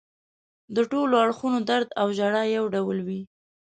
د ټولو اړخونو درد او ژړا یو ډول وي.